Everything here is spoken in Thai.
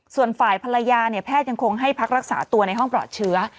ส่วนฝ่ายภรรยาเนี่ยแพทย์ยังคงให้พักรักษาตัวในห้องปลอดเชื้อ